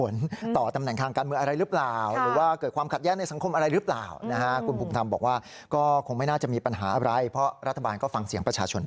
แล้วว่ากฎหมายมีปัญหาอะไรไหมในเรื่องนี้